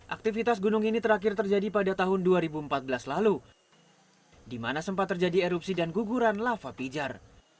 aktivitas gunung ini terakhir terjadi pada tahun dua ribu empat belas lalu di mana sempat terjadi erupsi dan guguran lava pijar